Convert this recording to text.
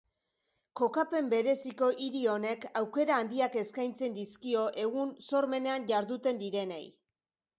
Kokapen bereziko hiri honek aukera handiak eskaintzen dizkio egun sormenean jarduten direnei.